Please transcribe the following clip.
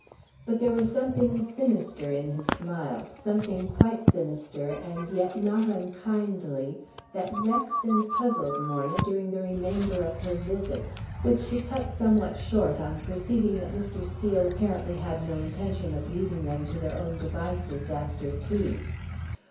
But there was something sinister in his smile, something quite sinister and yet not unkindly, that vexed and puzzled Morna during the remainder of her visit, which she cut somewhat short on perceiving that Mr. Steel had apparently no intention of leaving them to their own devices after tea.